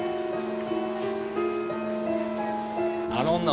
あの女